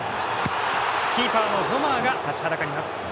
キーパーのゾマーが立ちはだかります。